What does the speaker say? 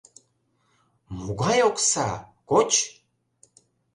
— Могай окса, коч!..